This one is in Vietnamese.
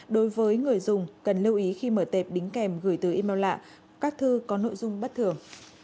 đối với người dùng cần lưu ý khi mở tệp đính kèm gửi từ email lạ các thư có nội dung bất thường